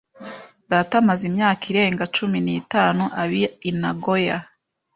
Data amaze imyaka irenga cumi n'itanu aba i Nagoya.